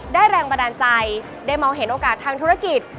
แรงบันดาลใจได้มองเห็นโอกาสทางธุรกิจ